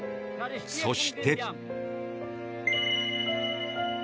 そして。